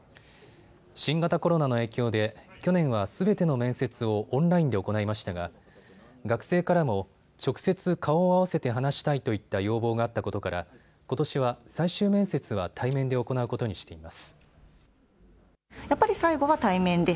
新型コロナの影響で去年はすべての面接をオンラインで行いましたが学生からも直接、顔を合わせて話したいといった要望があったことからことしは最終面接は対面で行うことにしています。